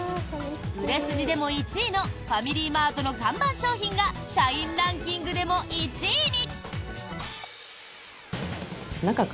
売れ筋でも１位のファミリーマートの看板商品が社員ランキングでも１位に！